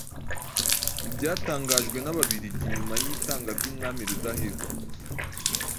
Mu byatangajwe n’Ababiligi nyuma y’itanga ry’umwami Rudahigwa,